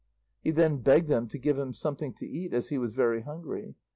He then begged them to give him something to eat, as he was very hungry.